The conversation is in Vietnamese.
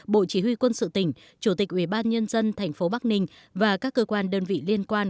bộ chỉ huy quân sự tỉnh chủ tịch ủy ban nhân dân thành phố bắc ninh và các cơ quan đơn vị liên quan